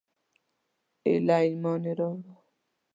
ایله ایمان راووړ.